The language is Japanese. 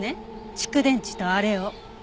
蓄電池とあれを。